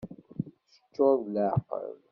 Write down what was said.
Teččur d leεqel!